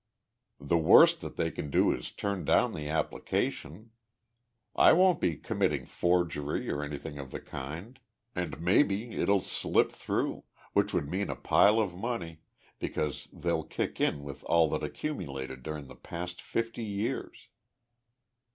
The worst that they can do is to turn down the application. I won't be committing forgery or anything of the kind. And maybe it'll slip through which would mean a pile of money, because they'll kick in with all that accumulated during the past fifty years."